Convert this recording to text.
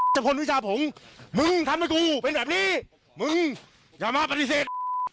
พลวิชาผมมึงทำให้กูเป็นแบบนี้มึงอย่ามาปฏิเสธ